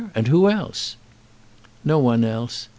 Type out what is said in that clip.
And who else?" "No one else.